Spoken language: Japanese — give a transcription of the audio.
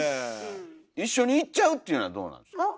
一緒に行っちゃうっていうのはどうなんですか？